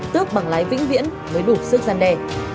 tước bằng lái vĩnh viễn mới đủ sức gian đe